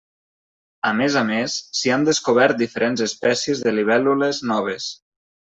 A més a més, s'hi han descobert diferents espècies de libèl·lules noves.